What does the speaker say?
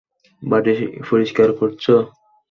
বাড়ি পরিষ্কার করছ?